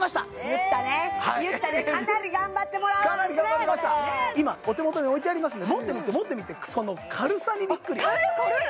言ったね言ったねかなり頑張ってもらわないと今お手元に置いてありますんで持ってみて持ってみてその軽さにビックリあっ軽い！